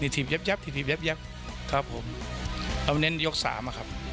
ถีบยับถีบยับครับผมเอาเน้นยกสามอะครับ